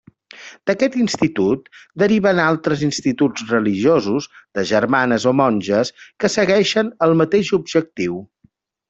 D'aquest institut deriven altres instituts religiosos, de germanes o monges, que segueixen el mateix objectiu.